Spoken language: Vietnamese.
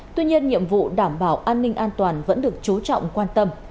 tuy nhiên nhiệm vụ đảm bảo an ninh an toàn vẫn được chú trọng quan tâm